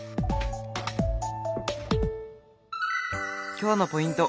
今日のポイント